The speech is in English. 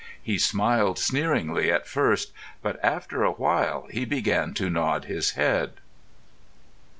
He smiled sneeringly at first, but after a while he began to nod his head.